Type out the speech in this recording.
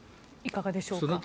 いかがでしょうか。